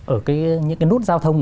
ở những cái nút giao thông